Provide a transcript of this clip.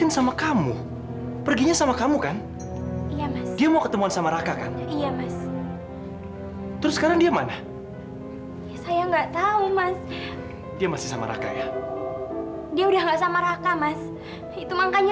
sampai jumpa di video selanjutnya